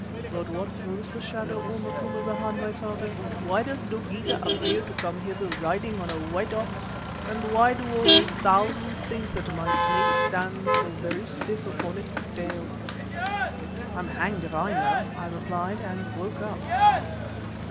But what throws the shadow, O Macumazana, my father? Why does Dogeetah appear to come hither riding on a white ox and why do all these thousands think that my Snake stands so very stiff upon its tail?" "I'm hanged if I know," I replied and woke up.